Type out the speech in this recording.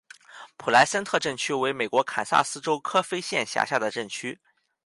普莱森特镇区为美国堪萨斯州科菲县辖下的镇区。